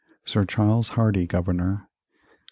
Sir Charles Hardy Governor 1756.